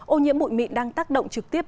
ô nhiễm bụi mịn đang tác động trực tiếp